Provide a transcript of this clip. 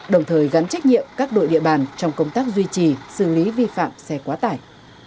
đồng thời gắn trách nhiệm các đội địa bàn trong công tác duy trì xử lý vi phạm xe quá tải